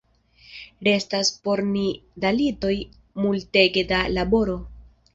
Restas por ni dalitoj multege da laboro.